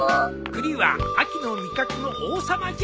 栗は秋の味覚の王様じゃ。